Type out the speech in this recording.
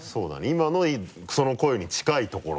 今のその声に近いところ。